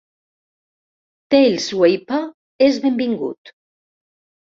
Taleswapper és benvingut.